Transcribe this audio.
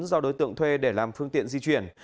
do đối tượng thuê để làm phương tiện di chuyển